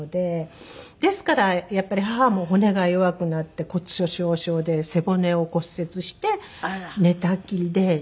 ですからやっぱり母も骨が弱くなって骨粗しょう症で背骨を骨折して寝たきりで認知症。